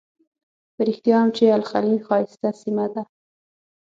په رښتیا هم چې الخلیل ښایسته سیمه ده.